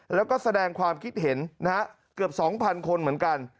แล้วก็แสดงความคิดเห็นนะฮะเกือบ๒๐๐คนเหมือนกัน